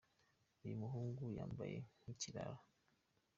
uyumuhungu yambaye nkikirara